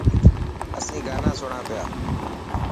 اسين گانا سڻان پيا.